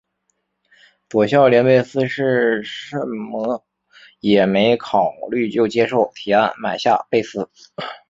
佐孝连贝斯是甚么也没考虑就接受提案买下贝斯。